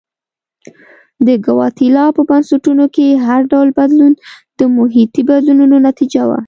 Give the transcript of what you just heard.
د ګواتیلا په بنسټونو کې هر ډول بدلون د محیطي بدلونونو نتیجه وه.